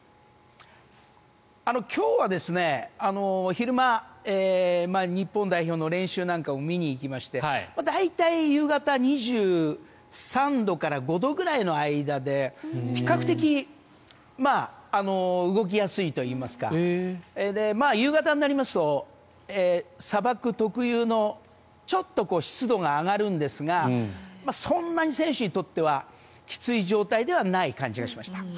今日は昼間、日本代表の練習なんかを見に行きまして大体、夕方２３度から２５度くらいの間で比較的、動きやすいといいますか夕方になりますと、砂漠特有のちょっと湿度が上がるんですがそんなに選手にとってはきつい状態ではない感じがしました。